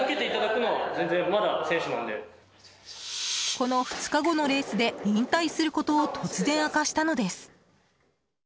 この２日後のレースで引退することを突然、明かしたのです。